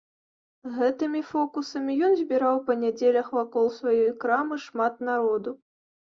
Гэтымі фокусамі ён збіраў па нядзелях вакол сваёй крамы шмат народу.